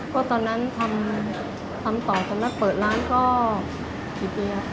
ก็ตอนนั้นทำต่อจากนั้นเปิดร้านก็กี่ปีครับ